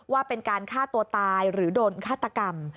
ว่าเป็นการฆ่าตัวตายหรือโดนฆาตกรรม